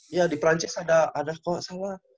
iya di prancis ada ada kok salah